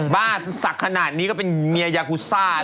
สักขนาดนี้ก็เป็นเมียยากูซ่า